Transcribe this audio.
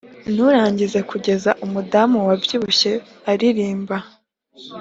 nturangize kugeza umudamu wabyibushye aririmba